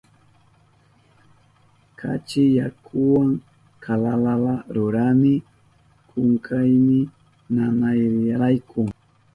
Kachi yakuwa kalalala rurani kunkayni nanayrayku.